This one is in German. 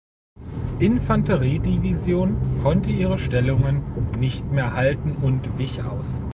Infanterie-Division konnte ihre Stellungen nicht mehr halten und wich aus.